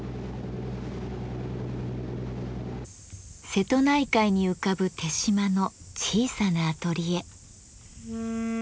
瀬戸内海に浮かぶ豊島の小さなアトリエ。